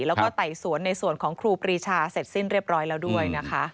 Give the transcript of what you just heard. แล้วก็ไต่สวนในส่วนของครูปรีชาเสร็จสิ้นเรียบร้อยแล้วด้วยนะคะ